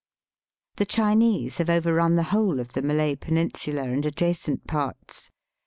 The Chinese have overrun the whole of the Malay peninsula and adjacent parts.